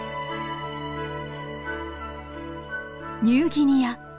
ニューギニア